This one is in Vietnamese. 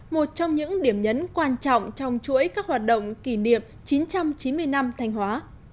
một trong những điểm nhấn quan trọng trong chuỗi các hoạt động kỷ niệm chín trăm chín mươi năm thanh hóa